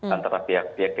antara pihak pihak ketiga